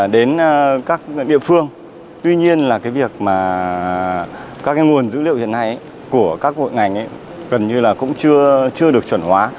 đến các địa phương tuy nhiên là cái việc mà các cái nguồn dữ liệu hiện nay của các hội ngành gần như là cũng chưa được chuẩn hóa